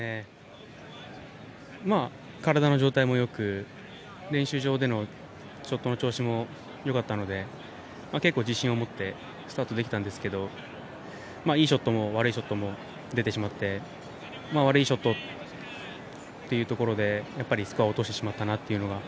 体の状態も良く練習場でのショットの調子も良かったので結構自信を持ってスタートできたんですけどいいショットも悪いショットも出てしまって悪いショットというところで、やっぱりスコアを落としてしまったなというのが。